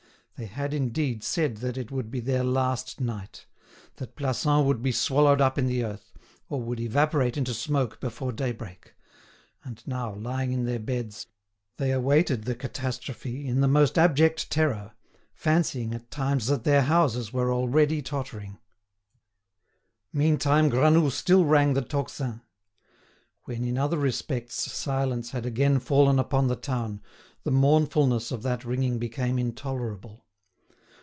They had, indeed, said that it would be their last night—that Plassans would be swallowed up in the earth, or would evaporate into smoke before daybreak; and now, lying in their beds, they awaited the catastrophe in the most abject terror, fancying at times that their houses were already tottering. Meantime Granoux still rang the tocsin. When, in other respects, silence had again fallen upon the town, the mournfulness of that ringing became intolerable.